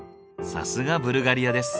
さすがブルガリアです。